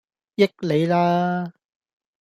益你啦